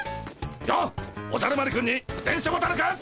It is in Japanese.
やあおじゃる丸くんに電書ボタルくん。